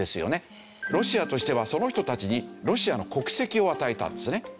ロシアとしてはその人たちにロシアの国籍を与えたんですね。